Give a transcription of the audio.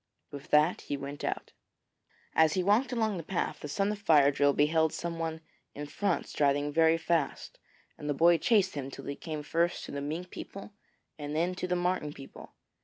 With that he went out. As he walked along the path, the son of Fire drill beheld someone in front striding very fast; and the boy chased him till he came first to the Mink people and then to the Marten people.